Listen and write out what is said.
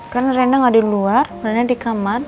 kan rena nggak di luar rena di kamar